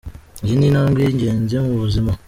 Iyi ni intambwe y’ingenzi mu buzima.